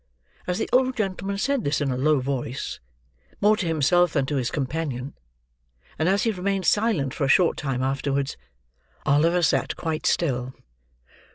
As the old gentleman said this in a low voice: more to himself than to his companion: and as he remained silent for a short time afterwards: Oliver sat quite still.